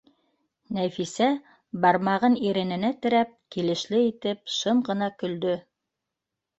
Нәфисә, бармағын ирененә терәп, килешле итеп шым гына көлдө